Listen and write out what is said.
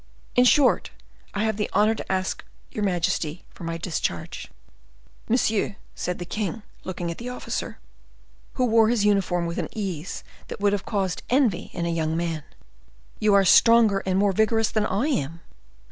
In short, I have the honor to ask your majesty for my discharge." "Monsieur," said the king, looking at the officer, who wore his uniform with an ease that would have caused envy in a young man, "you are stronger and more vigorous than I am."